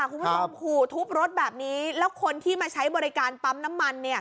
ที่ด้วยคุณผู้ชมโขทบรถแบบนี้และคนที่มาใช้บริการปั๊มน้ำมัน